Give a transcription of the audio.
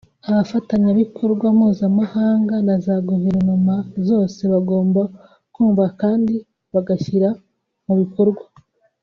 abafatanyabikorwa mpuzamahanga na za guverinoma zose bagomba kumva kandi bagashyira mu bikorwa